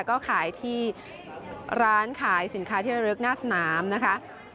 ก็ขายที่ร้านขายสินค้าที่ระลึกหน้าสนามนะคะ